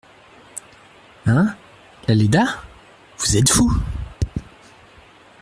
Hein !… la Léda ?… vous êtes fou !